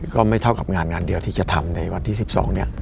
ก็ไม่เท่ากับงานงานเดียวที่จะทำในวันที่๑๒เนี่ย